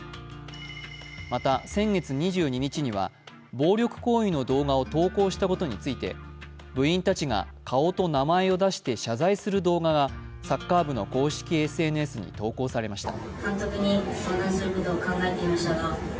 また、先月２２日には暴力行為の動画を投稿したことについて、部員たちが顔と名前を出して謝罪する動画がサッカー部の公式ＳＮＳに投稿されました。